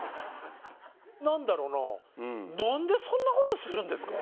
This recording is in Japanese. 何だろうな何でそんなことするんですか？